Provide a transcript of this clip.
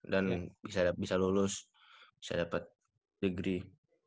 dan bisa lulus bisa dapet degree